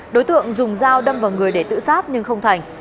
đối tượng dùng dao đâm vào người để tự sát nhưng không thành